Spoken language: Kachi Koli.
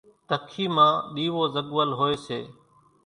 ڌکي مان ۮيوو زڳول ھوئي سي۔